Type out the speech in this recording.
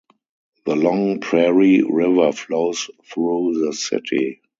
The Long Prairie River flows through the city.